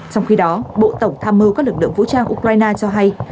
trong khi đó bộ tổng tham mưu các lực lượng vũ trang ukraine cho hay